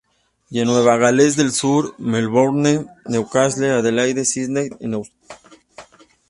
Y en Nueva Gales del Sur, Melbourne, Newcastle, Adelaida y Sydney en Australia.